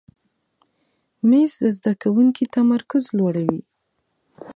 مېز د زده کوونکي تمرکز لوړوي.